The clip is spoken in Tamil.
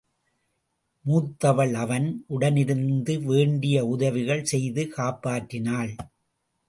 மூத்தவள் அவன் உடனிருந்து வேண்டிய உதவிகள் செய்து காப்பாற்றினாள்.